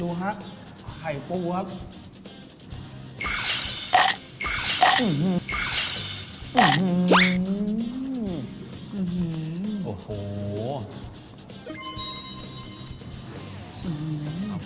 ดูครับไข่ปลู๊บครับ